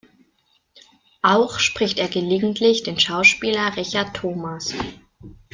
Auch spricht er gelegentlich den Schauspieler Richard Thomas.